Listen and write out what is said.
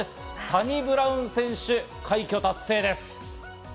サニブラウン選手、快挙達成です。